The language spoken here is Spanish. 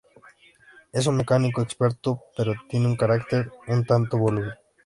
Es un mecánico experto, pero tiene un carácter un tanto voluble.